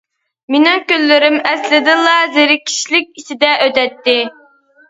مېنىڭ كۈنلىرىم ئەسلىدىنلا زېرىكىشلىك ئىچىدە ئۆتەتتى.